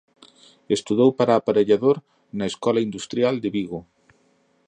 Estudou para aparellador na Escola Industrial de Vigo.